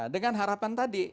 dengan harapan tadi